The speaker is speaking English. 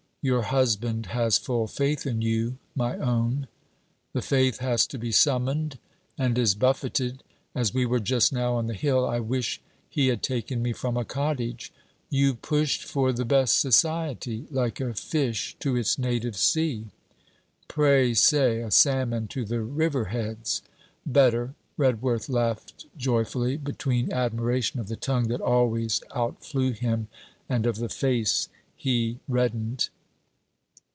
'Your husband has full faith in you, my own.' 'The faith has to be summoned and is buffeted, as we were just now on the hill. I wish he had taken me from a cottage.' 'You pushed for the best society, like a fish to its native sea.' 'Pray say, a salmon to the riverheads.' 'Better,' Redworth laughed joyfully, between admiration of the tongue that always outflew him, and of the face he reddened.